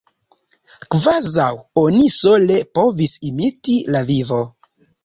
Kvazaŭ oni sole povis imiti la vivo!